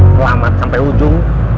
selamat sampai ujung